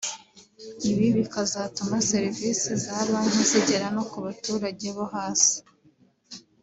ibi bikazatuma serivise za Banki zigera no ku baturage bo hasi